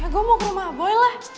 gue mau ke rumah boy lah